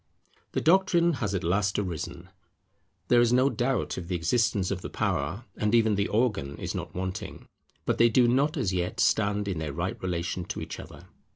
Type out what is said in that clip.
The Doctrine has at last arisen: there is no doubt of the existence of the Power; and even the Organ is not wanting. But they do not as yet stand in their right relation to each other.